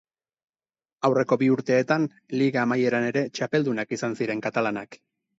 Aurreko bi urteetan, liga amaieran ere txapeldunak izan ziren katalanak.